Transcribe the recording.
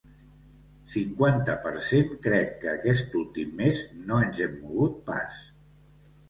Cinquanta per cent Crec que aquest últim mes no ens hem mogut pas.